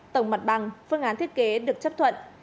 tổng mặt bằng phương án thiết kế được chấp thuận